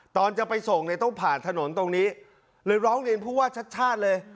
ตอนจะไปส่งเนี่ยต้องผ่านถนนตรงนี้เลยร้องเรียนผู้ว่าชัดชาติเลย